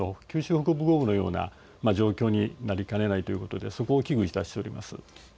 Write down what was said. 九州北部豪雨のような状況になりかねないということでそこを危惧いたしております。